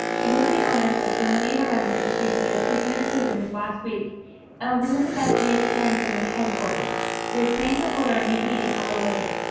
Because of the illness of so many of our members, due to their treatment in prison this last week, and with the necessity of caring for them at headquarters, we are planning to hold our neat meeting a little later.